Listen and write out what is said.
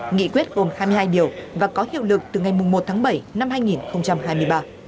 nghị quyết gồm hai mươi hai điều và có hiệu lực từ ngày một tháng bảy năm hai nghìn hai mươi ba